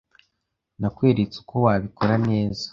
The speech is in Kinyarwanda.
Nakweretse uko wabikora neza.